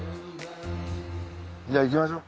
じゃあ行きましょう。